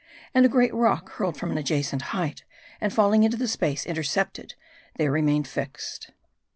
And a great rock, hurled from an adjacent height, and falling into the space intercepted, there remained fixed.